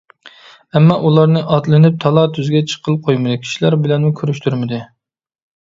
ئەمما ئۇلارنى ئاتلىنىپ تالا-تۈزگە چىققىلى قويمىدى، كىشىلەر بىلەنمۇ كۆرۈشتۈرمىدى.